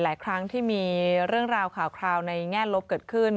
หลายครั้งที่มีเรื่องราวข่าวคราวในแง่ลบเกิดขึ้น